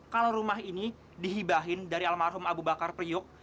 kalau rumah ini dihibahin dari almarhum abu bakar priok